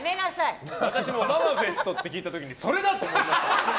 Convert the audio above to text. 私もママフェストと聞いてそれだと思いました。